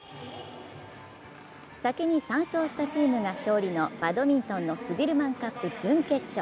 先に３勝したチームが勝利のバドミントンのスディルマンカップ準決勝。